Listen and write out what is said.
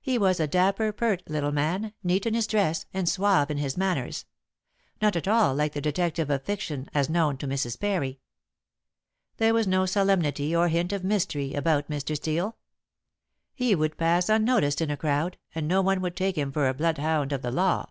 He was a dapper pert little man, neat in his dress, and suave in his manners. Not at all like the detective of fiction as known to Mrs. Parry. There was no solemnity or hint of mystery about Mr. Steel. He would pass unnoticed in a crowd, and no one would take him for a bloodhound of the law.